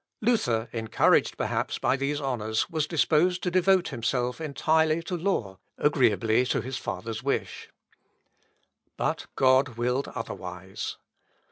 Luther, encouraged, perhaps, by these honours, was disposed to devote himself entirely to law, agreeably to his father's wish. Luth. Op. (W.) xxii, p. 2229. But God willed otherwise.